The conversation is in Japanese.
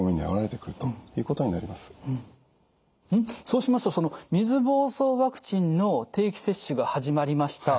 そうしますと水ぼうそうワクチンの定期接種が始まりました。